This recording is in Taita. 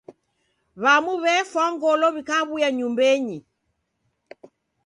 W'amu w'efwa ngolo w'ikaw'uya nyumbenyi.